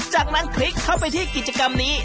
จากนั้นคลิกเข้าไปที่กิจกรรมนี้